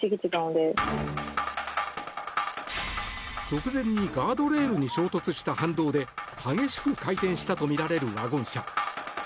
直前にガードレールに衝突した反動で激しく回転したとみられるワゴン車。